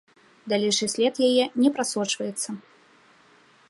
Далейшы след яе не прасочваецца.